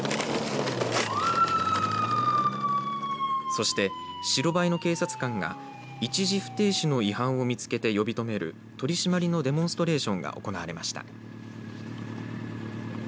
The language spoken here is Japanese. そして、白バイの警察官が一時不停止の違反を見つけて呼び止める取締りのデモンストレーションが行われました。